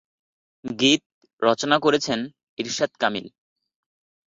গীত রচনা করেছেন ইরশাদ কামিল।